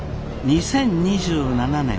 ２０２７年。